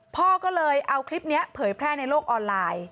พ่อก็เลยเอาคลิปนี้เผยแพร่ในโลกออนไลน์